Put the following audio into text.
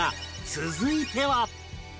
続いては